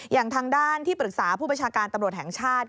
อย่างทางด้านที่ปรึกษาผู้ประชาการตำรวจแห่งชาติ